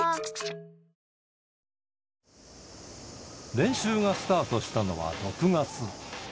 練習がスタートしたのは６月。